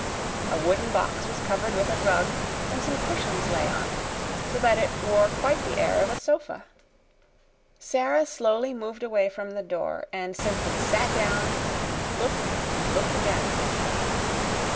A wooden box was covered with a rug, and some cushions lay on it, so that it wore quite the air of a sofa. Sara slowly moved away from the door and simply sat down and looked and looked again.